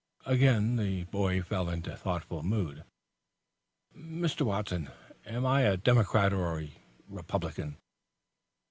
Again the boy fell into a thoughtful mood. "Mr. Watson, am I a Democrat or a Republican?"